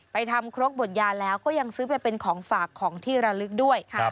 ทำครกบดยาแล้วก็ยังซื้อไปเป็นของฝากของที่ระลึกด้วย